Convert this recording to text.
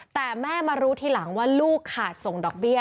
แต่แม่มารู้ทีหลังว่าลูกขาดส่งดอกเบี้ย